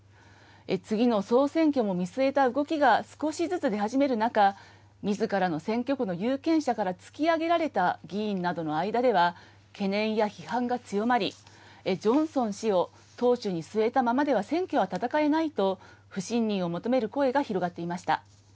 次の総選挙も見据えた動きが少しずつ出始める中、みずからの選挙区の有権者から突き上げられた議員などの間では、懸念や批判が強まり、ジョンソン氏を党首に据えたままでは選挙は戦えないと、不信任を求める声が広がっていました。